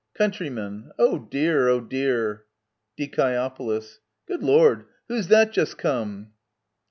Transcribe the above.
Countryman. Oh dear ! Oh dear ! Die. Good Lord ! who's that just come